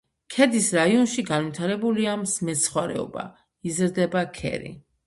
ქედის რაიონში განვითარებულია მეცხვარეობა, იზრდება ქერი.